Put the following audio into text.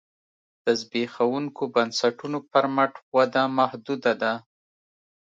د زبېښونکو بنسټونو پر مټ وده محدوده ده